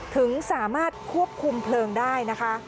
ถึงสามารถควบคุมเพลิงได้นะคะ